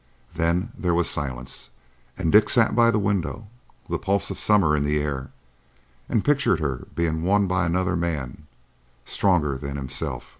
Then there was silence, and Dick sat by the window, the pulse of summer in the air, and pictured her being won by another man, stronger than himself.